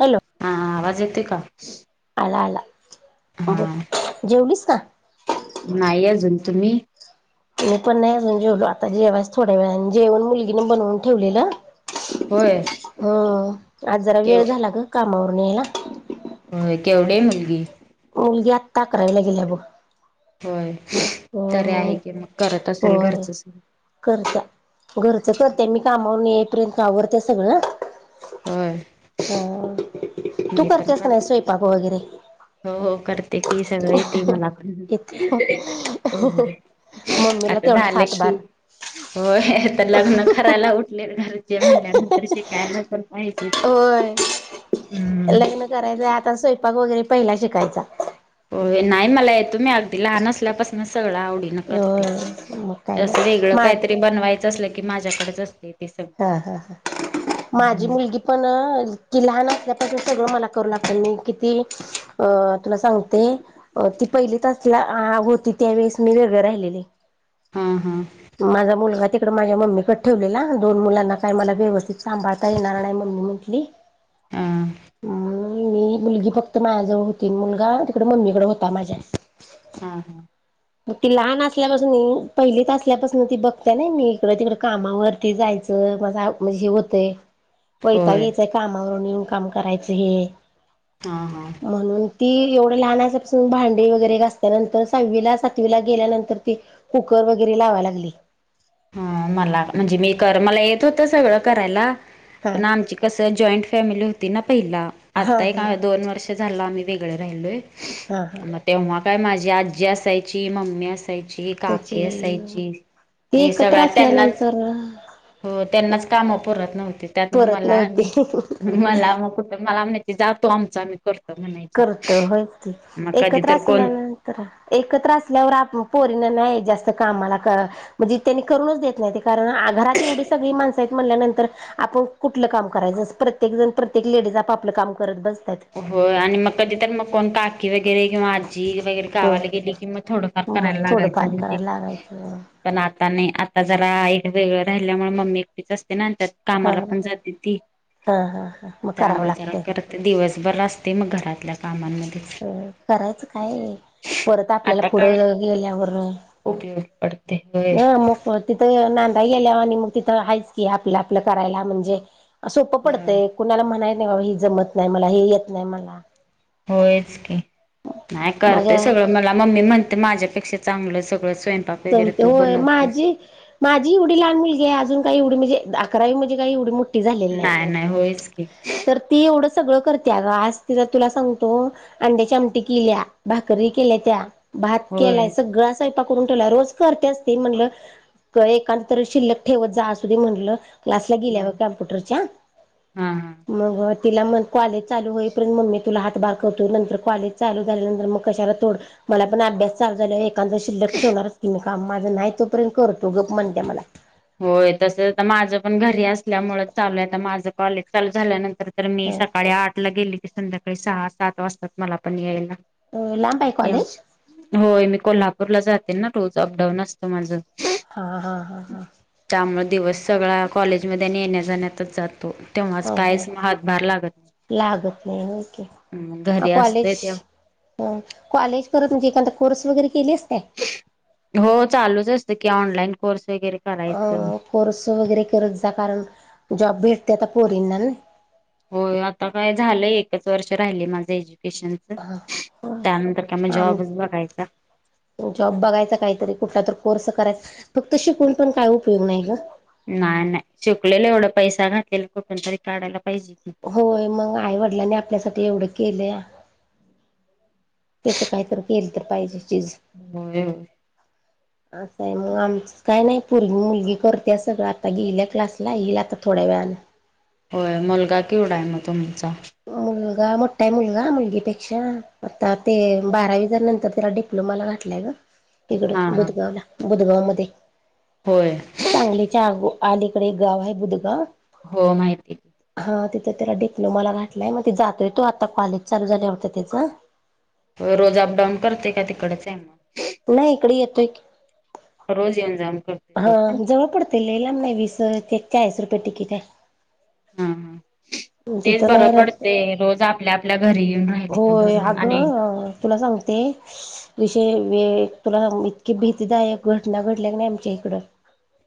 Hello हा आवाज येतय का आला आला हं हा बोल जेवलीस का नाही अजून तुम्ही मी पण नाही अजुन जेवलो आता जेवायच थोड्या वेळान जेवण मुलगीने बनवुन ठेवलेल होय हं आज जरा केव वेळ झाला ग कामावरून यायला. होय केवढी आहे मुलगी मुलगी आत्ता अकरावीला गेलीय बघ होय तरी हम्म आहे की मग करत असेल होय घरच स करत्या घरच करते मी कामावरून येईपर्यंत आवरते सगळ होय हा तु मी पण करतेस कर का स्वयंपाक वगैरे हो हो करते हे सगळ येतेय मला पण येते हो हो मम्मीला आता तेवढाच झाल हातभार कि होय तर लग्न करायला उठले घरचे म्हणल्यानंतर शिकायला पण- होय हम्म लग्न करायचंय आता स्वयंपाक वगैरे पहिला शिकायचा. होय नाय मला येतो मी अगदी लहान असल्यापासनं सगळं आवडीनं नं करते होय मग काय असं नाही वेगळं माझ कायतरी बनवायचं असलं की माझ्याकडेच असते. ते सगळं हा हा हा माझी हम्म मुलगी पण ती लहान असल्यापासून सगळं मला करू लागते मी कितीही अ तुला सांगते अं ती पहिलीत असला अं होती त्यावेेळेस मी वेगळे राहिलेले हां हा माझा मुलगा तिकडं माझ्या मम्मीकडे ठेवलेला दोन मुलांना काय मला व्यवस्थित सांभाळता येणार नाय मम्मी म्हंटली हा मी हं मी मुलगी फक्त माझ्याजवळ होती मुलगा तिकडं मम्मीकडे होता माझ्या हां हां मग ती लहान असल्यापासून पहिलीत असल्यापासून ती बघत्या नाही मी इकडं तिकड कामावर ते जायचं माझा म्हणजे हे होतंय [unintelligible] वैताग यायचा कामावरून येेऊन काम करायचं हे हा हा म्हणून ती एवढं लहान असल्यापासून भांडी वगैरे घासत्या नंतर सहावीला सात वीला गेल्यानंतर ती कुकर वगैरे लावाय लागली. हा मला म्हणजे मी कर मला येत होत सगळं करायला हा पण आमची कसं जॉईंट फॅमिली होती ना पहिला हा आता हा एका दोन वर्ष झालं आम्ही वेगळं राहिलोय हा हा मग तेव्हा काय माझी आजी, असायची मम्मी असा याची, काकीे असायची. ते हे एकत्र सगळ्या त्यांनाच असल्यानंतर हो त्यांनाच कामं पुरत नव्हती त्यातन परत मला आणि नव्हती मला मग कुटं मला म्हणायची जा तू आमचं आमी कर करतो होयचं की कधी एकत्र तर कोण असल्यानं तर एकत्र असल्यावर आप पोरींना नाही जास्त कामाला क म्हणजे त्यांनी करूनच देत नाही ते कारण आ घरात एवढी सगळी माणसं आहेत म्हणल्यानंतर आपण कुठलं काम करायचं अस प्रत्येक जण प्रत्येक लेडीज आपआपलं काम करत बसत्यात. होय आणि मग कधी तर मग कोण काकी वैग गैरे किंवा आजी वगैरे हो गावाला गेली कि मग थोडंफार मग करायला थोडंफार लागायचं म ते करायला लागायचं पण आता नाही आता जरा वेगळं राहिल्यामुळे मम्मी एकटीच असते ना आणि त्यात हा कामाला पण जाते ती हा हा हा मग करावं त्यामुळं जरा लागतंय करत दिवसभर असते मग घरातल्या कामांमध्ये. अ करायचं काय परत आपल्याला आता काय पुढं गेल्यावर उपयोग पडते होय. [unintelligible] तिथं नांदाय गेल्यावर आणि मग तिथं आहेच की आपलं आपलं करायला म्हणजे सोपं पडतंय. कुणाला म्हणाय नको नाही बाबा हे जमत नाही मला हे येत नाही मला होयच की नाही करतय माझ्या सगळं मला मम्मी म्हणते माझ्यापेक्षा चांगलं सगळं स्वयंपाक वगैरे जमते तू होय बनवतेस माझी माझी एवढी लहान मुलगी आहे अजून काय एवढी म्हणजे अकरावी म्हणजे काय एवढी मो नाय नाय होयच की तर ती एवढं सगळं करत्या ग आज तीच तुला सांगतो अंड्याची आमटी कील्या, भाकरी केल्यात्या, भात होय केलाय सगळा स्वयंपाक करून रोज करत्याच ती म्हटलं एकां तर शिल्लक ठेवत जा असू दे म्हटलं क्लासला गिल्या बघ कॅम्पुटरच्या हा हा मग तिला म कॉलेज चालू होईपर्यंत मम्मी तुला हातभार करतो नंतर कॉलेज चालू झाल्यानंतर मग कशाला तोड मला पण अभ्यास चालू झाल्यावर एकांद शिल्लक ठेवणारच की मी काम, माझं नाही तोपर्यंत करतो गप म्हणत्या मला. होय तस आता माझं पण घरी असल्यामुळ चालू आहे आता माझं कॉलेज चालू झाल्यानंतर तर मी सकाळी आठ ला गेली की संध्याकाळी सहा सात वाजतात मला पण यायला. अ लांब हाय कॉलेज? होय मी कोल्हापूरला जाते ना रोज अपडाऊन असतं माझं. हा हा हा हा. त्यामुळ दिवस सगळा कॉलेजमध्ये येण्या-जाण्यातच जातो. तेव्हाच हो हो कायच म हातभार लागत लागत नाही, होय की नाही घरी असते कॉलेज ते हा, कॉलेज करत म्हणजे एकांदा कोर्स वगैरे केलीस काय? हो, चालूच असत की ऑनलाईन कोर्स वगैरे. अ करायचं. कोर्स वगैरे करत जा कारण जॉब भेटत्यात पोरींना नय होय, आता काय झालंय एकच वर्ष राहिलय माझं एज्युकेशन. ना त्यानंतर काय म आम जॉबच बघायचा. जॉब बघायचा काहीतरी कुठला तर कोर्स करायचा फक्त शिकून पण काय उपयोग नाही ग. नाही नाय शिकलेलं एवढा पैसा घातलेला कुठून तरी काढायला पाहिजे कि. होय मग आई वडिलांनी आपल्यासाठी एवढं केलया. त्याच काहीतर केल तर पाहिजे चीज. होय होय असं आहे मग आमचं. काय नाही पोर मुलगी करत्या सगळं आता गिल्या क्लासला येईल आता थोड्या वेळान. होय, मुलगा कीवडा आहे मग तुमचा? मुलगा मोठा हाय मुलगा मुलगीपेक्षा आता ते बारावी झाल्यानंतर त्याला डिप् लुमाला घातलाय ग हा इकडं हा बुधगावला, बुधगाव मध्ये. होय सांगलीच्या आगो आलीकडे एक गाव आहे बुधगाव हो माहिती की हा तिथं त्याला डिप्लोमाला घातलाय मग ते जातोय तो आता कॉलेज चालू झाल्या होत त्याच. रोज अपडाऊन करतोय का तिकडच आहे म? नाही इकड येतोय की रोज येऊन जाऊन कर हा जवळ पडतय लय लांब नाही विस ते चाळीस रुपये तिकीट हाय. हा हा तेच तिथं नाही बरं राहत पडतय रोज आपल्या आपल्या घरी येऊन राहिलेल तो होय बर आणि अगं तुला सांगते विषय वे तुला इतकी भीतीदायक घटना घडल्या की नाही आमच्या इकडं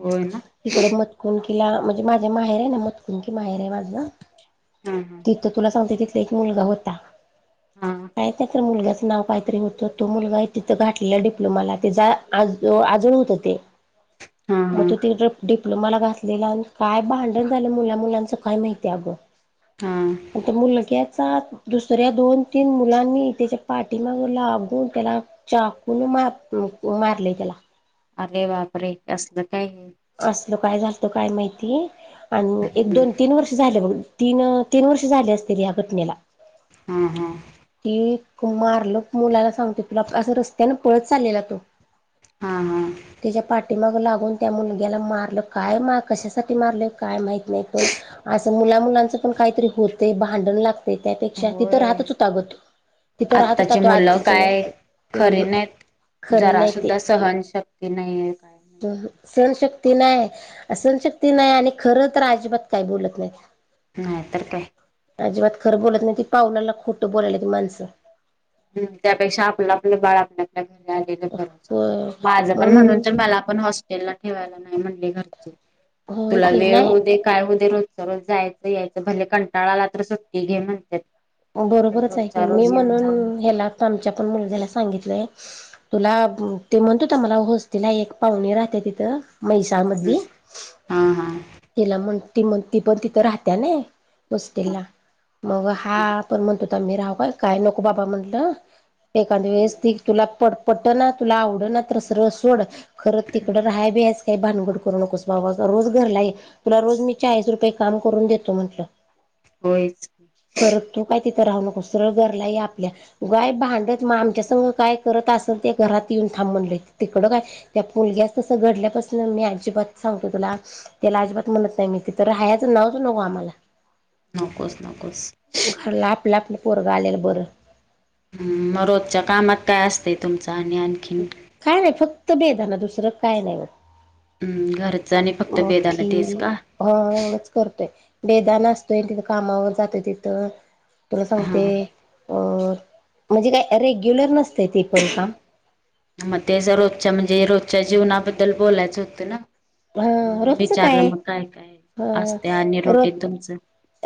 होय ना तिकड मतकुंकीला म्हणजे माझ्या माहेर आहे ना मतकुंकी माहेर आहे माझ. हम्म. तुला सांगते तिथ एक मुलगा होता हा काय त्या तर मुलग्याचं नाव काहीतरी होत तर तो मुलगा आहे तिथं घाठलेला डिप्लोमाला तेचा आजळ होतं ते हा मग हा तो ति डिप्लोमाला घासलेला आणि काय भांडण झालं मुला मुलांच काय माहितीय अगं हा. मुलग्याचा दुसऱ्या दोन तीन मुलांनी त्याच्या पाठीमाग लाघून त्याला चाकून मार मारले त्याला अरे वापरे असलं काय आहे. असल काय झालत काय माहिती आणि एक दोन तीन वर्ष झाले बघ तीन तीन वर्ष झाले असतील या घटनेला. हम्म हम्म. ती मारल मुलाला सांगते तुला असं रस्त्याने पळत चाललेला तो. हा हा. त्याच्या पाठीमाग लागून त्या मुलग्याला मारलं काय कशासाठी मारलं काय माहित. नाही पण असं मुला मुलांच पण काहीतरी होत भांडण लागत. त्यापेक्षा तिथं होय राहतच होत आग तो. तिथं राहत होता आत्ताची तो मुलं आजीजवळ काय खरी हम् नाहीत. खरे जरा नाही सुद्धा सहनशक्ती नाही आहे. हम्म सहन शक्ती. तिला असण शक्ती नाय आणि खर तर अजिबात बोलत नाही. नाही तर काय. अजिबात खर बोलत नाइत ती पावलाला खोटं बोलाल्यात ती माणसं हम्म त्यापेक्षा आपलं आपलं बाळ आपल्या. घ आलेर माझं पण म्हणून मला पण हॉस त्याना ठेवायला नाही म्हणल घरचे होय तुला की वेळ नाही होऊ दे काय होदु रोजच्या रोज जायचं यायचं भले कंटाळा आला तर सुट्टी घे म्हणत्यात. बरोबरच हाय की मी म्हणून जाऊनच ह्याला आत्ता आमच्या पण मुलग्याला सांगितलंय. तुला ते म्हणतोता मला होस्तीला एक पाहुणे राहते तिथं म्हैसार मध्ये हा हा तिला म्हण त म्हण ती पण तिथं राहत्या ना. होस्टेलला मग हा पण म्हणतो तम्ही राह काय काय नको बाबा म्हटलं. एखाद्या वेळेस ती तुला पट पट ना तुला आवड ना तस सरळ सोड खरं तिकडं राहा बीस काही भानगड करू नकोस बाबा रोज घरला आहे तुला रोज मी चाळीस रुपये काम करून देतो म्हंटलं होयच. खरं तू काय तित राहू नको सरळ घरला ये आपल्या. गय भांडत मग आमच्या संघ काय करत असेल ते घरात येऊन थांबणलं तिकडं काय त्या पुलग्यास तसं घडल्यापासून मी अजिबात सांगतो तुला त्याला अजिबात म्हणत नाइ मी तर हहायाचं नावच नको आम्हाला नकोस नकोस. घरला आपला आपला पोरगा आलेलं बरं. हम्म रोजच्या कामात काय असतंय तुमच आणि आणि? काय नाही फक्त बेदा ना दुसरं काय नाही. हम्म घरच आणि फक्त बेदाना तेच मोठी का. हो एवडच करतोय बेदान असतय तित कामावर जातय तिथ. तुला हा सांगते अं, म्हणजे काय रेग्युलर नसतय ते पण काम म ते जे रोजच्या म्हणजे रोजच्या जीवनाबद्दल बोलायचं होतं ना. ह म्हणून रोजचं विचारलं मग काय, काय असतय आणि रूटीन तुमचं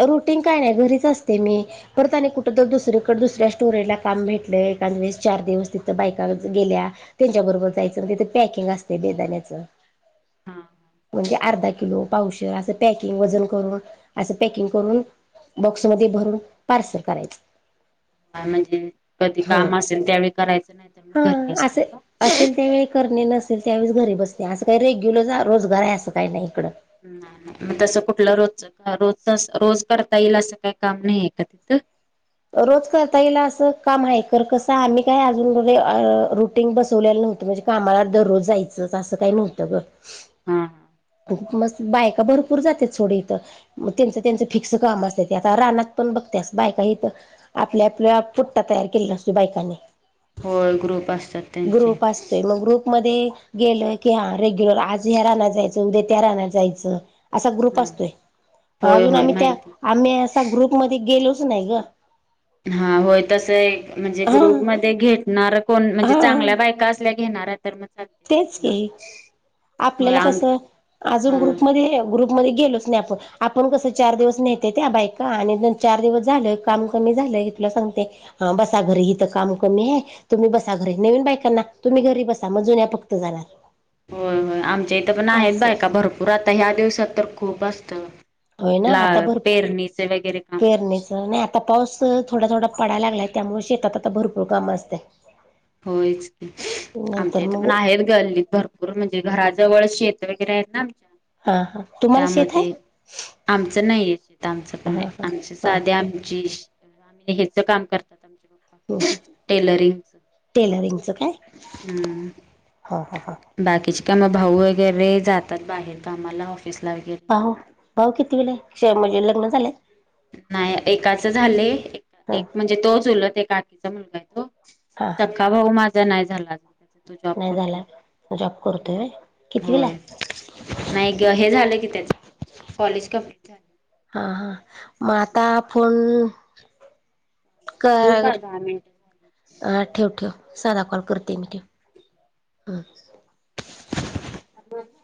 रूटीन काय नाय. घरीच असतेय मी परत आणि कुठं तरी दुसरीकड दुसऱ्या स्टोरेज ला काम भेटलं. एकान दिवस चार दिवस तित बायका गेल्या. तेंच्या बरोबर जायचं. मग तिथं पॅकिंग असतय बेदाण्याचं. हां. म्हणजे अर्धा किलो, पावशर असं पॅकिंग वजन करून असं पॅकिंग करून, बॉक्समध्ये भरून पार्सल करायचं. हां म्हणजे कधी हां काम असेल, त्यावेळी करायचं नाही तर मग घरी हां असताय असं का? असेल त्यावेळी करणे नसेल, त्यावेळेस घरी बसते. असं काही रेग्युलर रोजगार आहे असं काही नाही इकडं. ना म तसं कुटलं रोजच, रोजचं अस रोज करता येईल असं काय काम नाहीय का तिथं? रोज करता येईल असं काम आहे. खरं कसं आम्ही काय अजून रे रुटीन बसवलेलं नव्हतं म्हणजे कामाला दररोज जायचं असं काय नव्हतं ग. हां हा. मस्त बायका भरपूर जात्यात सोड इथ. मग तेचं तेचं फिक्स काम असत्यात. आता रानात पण बघत्यास बायका इथ आपल्या आपल्या पुठ्ठा तयार केलेला असतोय बायकांनी. होय ग्रुप असतात त्यांचे. मधे गेलं की, हा रेग्युलर आज ह्या रानात जायचं, उद्या त्या रानात जायचं. असा ग्रुप हा असतोय. होय अजून होय आम्ही त्या माहिती आम्ही असा ग्रुपमध्ये गेलोच नाही गं. हा, होय तस एक म्हणजे हा ग्रुप मध्ये घेतणार, कोण म्हणजे? हा चांगल्या बायका असल्या की घेणार हाय तर मग. चालते तेच जायला की, होय आपल्याला आम कसं अजून हा ग्रुपमध्ये, ग्रुप मधे गेलोच नाही. आपण कसं चार दिवस नेहत्यात बायका आणि चार दिवस झाल काम कमी झालं तुला सांगते. हं बसा घरी हित काम कमी हाय, तुम्ही बसा घरी नवीन बायकांना तुम्ही घरी बसा. मग जुन्या फ हित जरा होय-होय आमच्या इथं पण आहेत बायका भरपूर आता ह्या दिवसात तर खूप असतं. होय ना आता लाळ, भरपूर पेरणीचे वगैरे काम. पेरणीचं नाही आता पाऊस अं थोडा-थोडा पडाय लागलाय त्यामुळं शेतात आता भरपूर काम असतं. होयच की, आमच्या इथं पण मग आहेत गल्लीत भर भर म्हणजे जे घराजवळ शेत वगेरे हायत ना आमच्या हां हां, तुमाला त्यामुळे शेत हाय? ते आमचं नाही. तिथं आमचं, पण हा नाही हा आमच हा साधं आमची तर आम्ही ह्याच काम करतात, आमचे पप्पा टेलरिंगच. टेलरिंगचं काय? हं. हां हा हा. बाकीची काम, भाऊ वगैरे जातात बाहेर कामाला ऑफिसला वगैरे. हो भाऊ कितीवीला हाय? हे शे म्हणजे लग्न झालंय? नाही एकाच झालय. हा एक म्हणजे तो चुलत हे एक काकीचा मुलगा आहे तो. हा हा सख्खा भाऊ माझा नाही झाला. अजून त्याचं लग्न तो जॉब नाही करतोय. झाला जॉब करतोय हं. व्हय कितवीला होय. आहे नाही गं हे झालं की त्याच, कॉलेज कंप्लीट झालं. हा हा म आता हा फोन ठेवू कर. का दहा मिनिट हा ठेव ठेव साधा कॉल करते मी ठेव हं. [unintelligible]